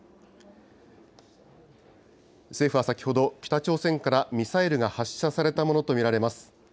政府は先ほど、北朝鮮からミサイルが発射されたものと見られます。